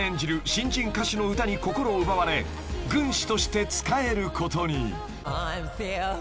新人歌手の歌に心を奪われ軍師として仕えることに］